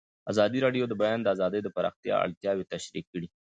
ازادي راډیو د د بیان آزادي د پراختیا اړتیاوې تشریح کړي.